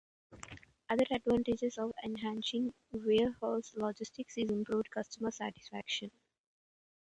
Another advantage of enhancing warehouse logistics is improved customer satisfaction.